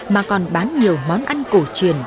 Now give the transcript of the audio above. mà còn bán nhiều món ăn cổ truyền